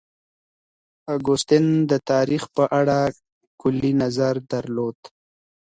اګوستين د تاريخ په اړه کلي نظر درلود.